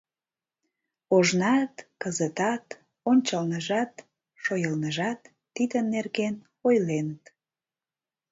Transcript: Ожнат, кызытат, ончылныжат, шойылныжат тидын нерген ойленыт.